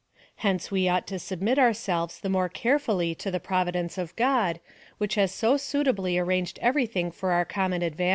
Hence we ought to submit ourselves the more carefully to the providence of God, which has so suitably arranged everything for our com mon advantage.